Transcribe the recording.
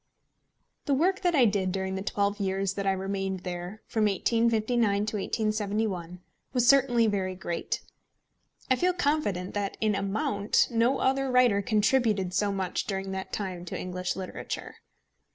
The work I did during the twelve years that I remained there, from 1859 to 1871, was certainly very great. I feel confident that in amount no other writer contributed so much during that time to English literature.